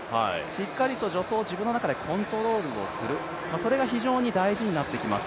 しっかりと助走を自分の中でコントロールをする、それが非常に大事になってきます。